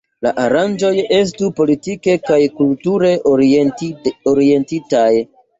La aranĝoj estu politike kaj kulture orientitaj.